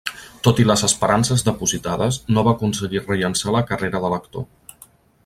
Tot i les esperances depositades, no va aconseguir rellançar la carrera de l'actor.